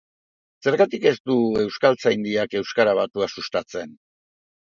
Zergatik ez du Euskaltzaindiak euskara batua sustatzen?